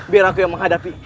biar aku yang menghadapi